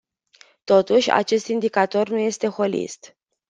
Totuși, acest indicator nu este holist.